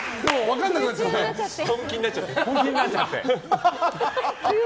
本気になっちゃって。